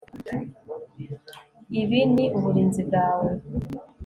Ibi ni uburinzi bwawe